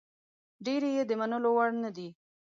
ډېرې یې د منلو وړ نه دي.